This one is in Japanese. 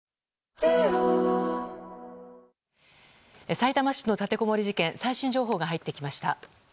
さいたま市の立てこもり事件最新情報が入ってきました。